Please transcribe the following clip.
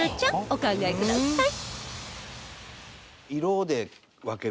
お考えください